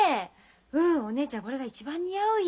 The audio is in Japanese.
うんお姉ちゃんこれが一番似合うよ。